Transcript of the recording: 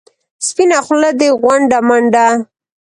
سپینه خوله دې غونډه منډه.